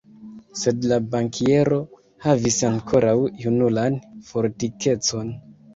Sed la bankiero havis ankoraŭ junulan fortikecon.